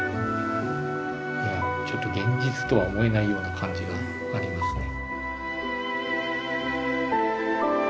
ちょっと現実とは思えないような感じがありますね。